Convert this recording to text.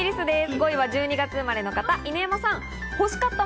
５位は１２月生まれの方、犬山さん。